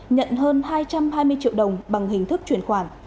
nhận hơn hai trăm hai mươi triệu đồng bằng hình thức chuyển khoản